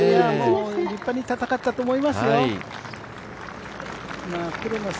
立派に戦ったと思いますよ。